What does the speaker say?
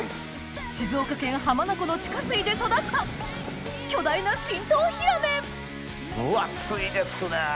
静岡県浜名湖の地下水で育った巨大な伸東ヒラメ分厚いですね。